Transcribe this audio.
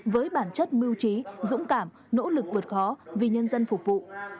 với bản chất mưu trí dũng cảm nỗ lực vượt khó vì nhân dân phục vụ